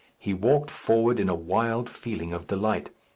He walked forward in a wild feeling of delight.